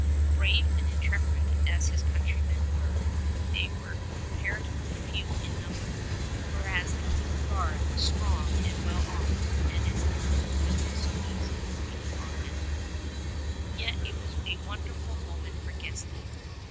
Brave and intrepid as his countrymen were, they were compara tively few in number, whereas the King's guard was strong and well armed, and its numbers could so easily be aug mented. Yet it was a wonderful moment for Gisli.